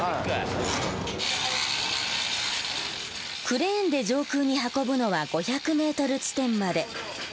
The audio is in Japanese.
クレーンで上空に運ぶのは５００ｍ地点まで。